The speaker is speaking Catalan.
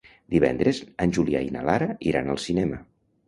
Divendres en Julià i na Lara iran al cinema.